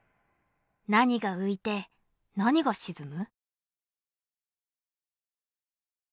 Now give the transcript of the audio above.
何が浮いて何が沈む？